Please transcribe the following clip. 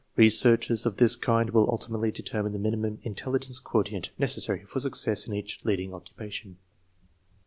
Researches of this kind will ultimately determine the minimum " intelligence quotient " necessary for success in each leading occupation.